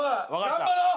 頑張ろう！